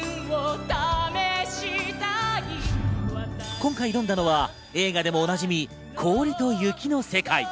今回、挑んだのは映画でもおなじみ氷と雪の世界。